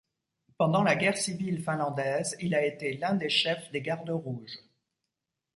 Pendant la guerre civile finlandaise il a été l'un des chefs des Gardes Rouges.